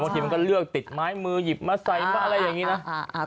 ทีมันก็เลือกติดไม้มือหยิบมาใส่มาอะไรอย่างนี้นะ